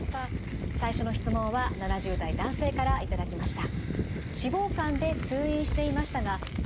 最初の質問は７０代男性から頂きました。